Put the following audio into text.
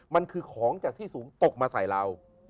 มันคือของจากที่สูงตกมาใส่เรา